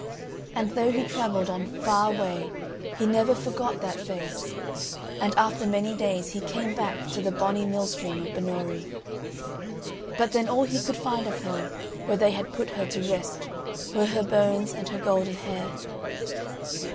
And though he travelled on far away he never forgot that face, and after many days he came back to the bonny mill stream of Binnorie. But then all he could find of her where they had put her to rest were her bones and her golden hair.